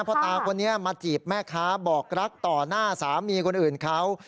พ่อตาคนนี้มาจีบแม่ค้าบอกรักต่อหน้าสามีคนอื่นเขา